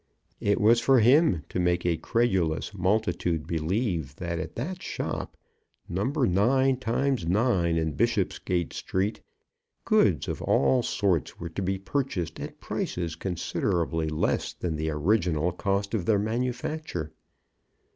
It was for him to make a credulous multitude believe that at that shop, number Nine Times Nine in Bishopsgate Street, goods of all sorts were to be purchased at prices considerably less than the original cost of their manufacture.